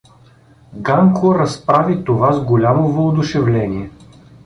Ганко разправи това с голямо въодушевление.